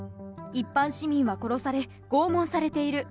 一般市民は殺され、拷問されている。